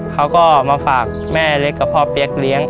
เขาก็มาฝากแม่เล็กกับพ่อเปี๊ยกเลี้ยง